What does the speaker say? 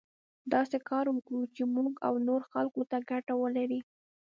داسې کار وکړو چې موږ او نورو خلکو ته ګټه ولري.